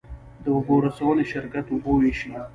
د اوبو رسونې شرکت اوبه ویشي